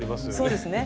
そうですね。